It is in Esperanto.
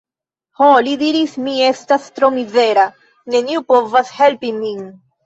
Ho, li diris, mi estas tro mizera; neniu povas helpi min.